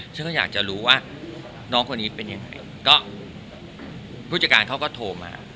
ฉันก็อยากจะรู้ว่าน้องคนนี้เป็นยังไงก็ผู้จัดการเขาก็โทรมา